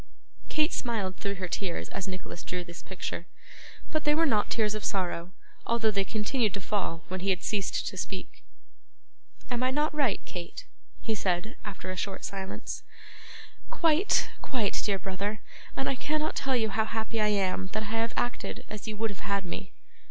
Kate smiled through her tears as Nicholas drew this picture; but they were not tears of sorrow, although they continued to fall when he had ceased to speak. 'Am I not right, Kate?' he said, after a short silence. 'Quite, quite, dear brother; and I cannot tell you how happy I am that I have acted as you would have had me.